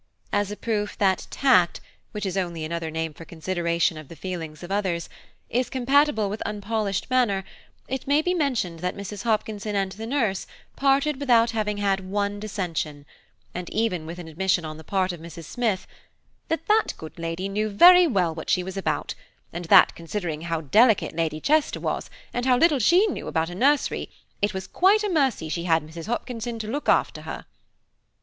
As a proof that tact, which is only another name for consideration of the feelings of others, is compatible with unpolished manner, it may be mentioned that Mrs. Hopkinson and the nurse parted without having had one dissension; and even with an admission on the part of Mrs. Smith "that that good lady knew very well what she was about, and that, considering how delicate Lady Chester was, and how little she knew about a nursery, it was quite a mercy she had Mrs. Hopkinson to look after her."